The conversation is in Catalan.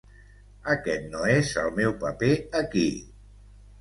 Aquest no és el meu paper aquí.